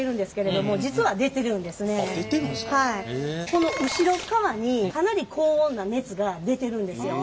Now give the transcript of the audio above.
この後ろっかわにかなり高温な熱が出てるんですよ。